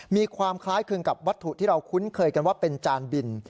มีความคล้ายคลึงกับวัตถุที่เราคุ้นเคยกันว่าเป็นจานบิน